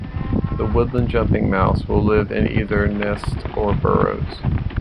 The woodland jumping mouse will live in either nests or burrows.